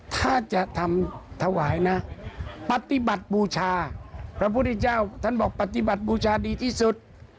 ถ้าจะทำถวายนะปฏิบัติบูชาพระพุทธเจ้าท่านบอกปฏิบัติบูชาดีที่สุด